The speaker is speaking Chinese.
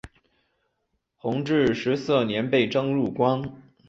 弘治十四年被征入宫。